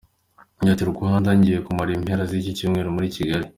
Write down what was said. Yagize ati “Rwanda! Ngiye kumara impera z’icyumweru muri Kigali.